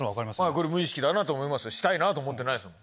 これ無意識だなと思いますしたいなと思ってないですもん。